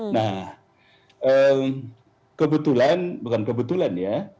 nah kebetulan bukan kebetulan ya